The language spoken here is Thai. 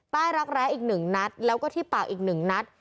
ใต้รักแร้อีกหนึ่งนัดแล้วก็ที่ปากอีกหนึ่งนัด